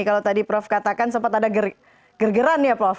kalau tadi prof katakan sempat ada gergeran ya prof